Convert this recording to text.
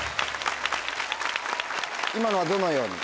今のはどのように？